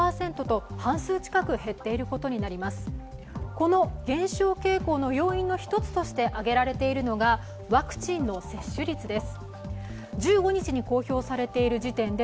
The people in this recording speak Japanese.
この減少傾向の要因の１つとして挙げられているのがワクチンの接種率です。